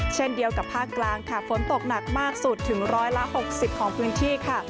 เช่นเดียวกับภาคกลางค่ะฝนตกหนักมากสุดถึงร้อยละ๖๐ของพื้นที่ค่ะ